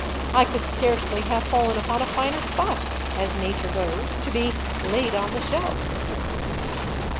I could scarcely have fallen upon a finer spot, as nature goes, to be " laid on the shelf."